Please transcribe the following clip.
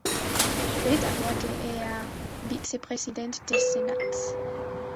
Später wurde er Vizepräsident des Senats.